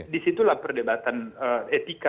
di situlah perdebatan etika